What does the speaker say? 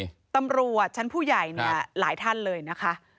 ใช่ตำรวจชั้นผู้ใหญ่เนี่ยหลายท่านเลยนะคะ